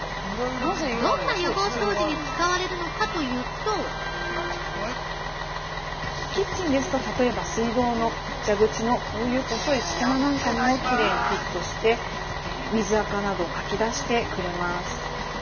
どんな予防掃除に使われているのかというと◆キッチンですと、例えば水道の蛇口のこうい細い隙間なんかにもきれいにフィットして、水あかなどかき出してくれます。